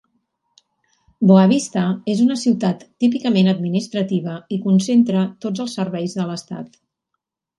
Boa Vista és una ciutat típicament administrativa i concentra tots els serveis de l'estat.